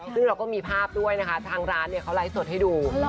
ซึ่งเราก็มีภาพด้วยนะคะทางร้านเนี่ยเขาไลฟ์สดให้ดู